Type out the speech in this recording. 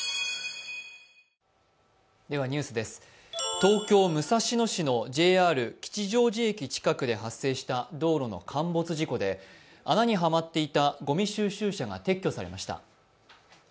東京・武蔵野市のＪＲ吉祥寺駅近くで発生した道路の陥没事故で、穴にはまっていたごみ収集車が撤去されました。